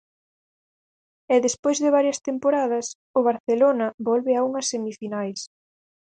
E despois de varias temporadas, o Barcelona volve a unhas semifinais.